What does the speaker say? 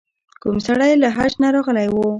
کوم سړی له حج نه راغلی و.